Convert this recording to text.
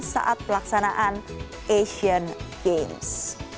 saat pelaksanaan asian games